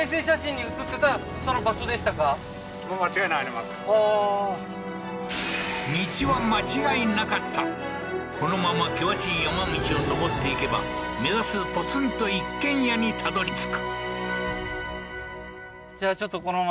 まずああー道は間違いなかったこのまま険しい山道を登っていけば目指すポツンと一軒家にたどり着く